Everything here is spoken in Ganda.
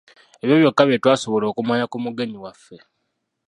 Ebyo byokka bye twasobola okumanya ku mugenyi waffe.